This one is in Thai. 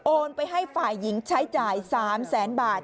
ไปให้ฝ่ายหญิงใช้จ่าย๓แสนบาท